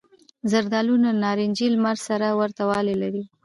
زردالو له نارنجي لمر سره ورته والی لري.